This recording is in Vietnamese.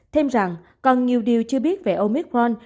thêm rằng còn nhiều điều chưa biết về omicron